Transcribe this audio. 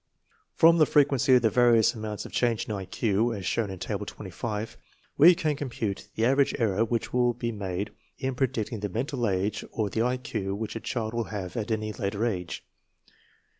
From the frequency of the various amounts of change in I Q, as shown in Table 25, we can compute the average error which will be made in predicting the mental age or the I Q which a child will have at any later age.